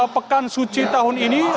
pekan suci tahun ini